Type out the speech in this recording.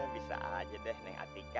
bisa aja deh naik atika